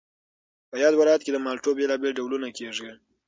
په یاد ولایت کې د مالټو بېلابېل ډولونه کېږي